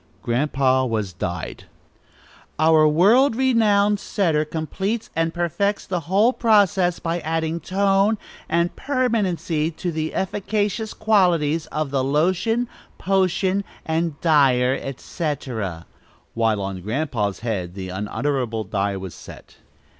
Grandpa was dyed. "Our world renowned setter completes and perfects the whole process by adding tone and permanency to the efficacious qualities of the lotion, potion, and dyer, etc.;" while on Grandpa's head the unutterable dye was set.